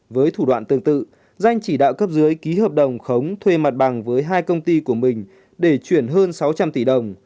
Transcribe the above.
với thủ đoạn tương tự danh chỉ đạo cấp dưới ký hợp đồng khống thuê mặt bằng với hai công ty của mình để chuyển hơn sáu trăm linh tỷ đồng